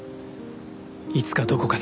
いつかどこかで。